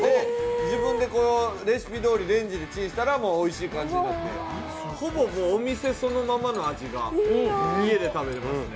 自分でレシピどおりレンジでチンしたら、ほぼお店そのままの味が家で食べれますね。